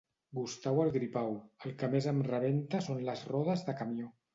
Gustau el Gripau: el que més em rebenta són les rodes de camió